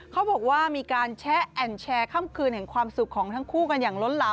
เขาบอกว่ามีการแชะแอ่นแชร์ค่ำคืนแห่งความสุขของทั้งคู่กันอย่างล้นหลาม